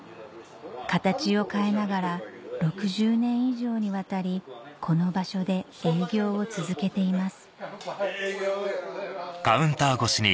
形を変えながら６０年以上にわたりこの場所で営業を続けています